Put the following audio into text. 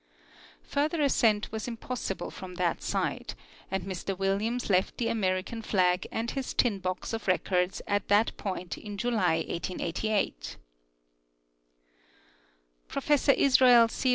Further ascent was im possible from that side, and Mr AVilliams left the American flag and his tin box of records at that point in July, 1888. Professor Israel C.